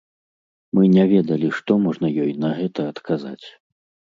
Мы не ведалі, што можна ёй на гэта адказаць.